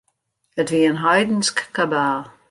It wie in heidensk kabaal.